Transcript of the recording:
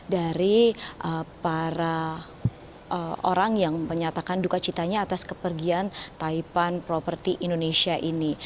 dari para orang yang menyatakan duka citanya atas kepergian taipan properti indonesia ini